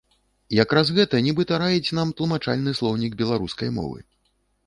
Якраз гэта нібыта раіць нам тлумачальны слоўнік беларускай мовы.